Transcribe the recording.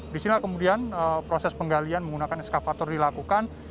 di sini kemudian proses penggalian menggunakan eskavator dilakukan